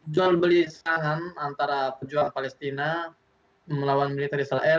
jual beli serangan antara pejuang palestina melawan militer israel